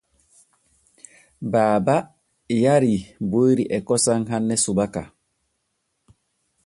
Baaba yarii boyri e kosom hanne subaka.